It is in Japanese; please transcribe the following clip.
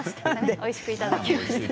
おいしくいただきましたね。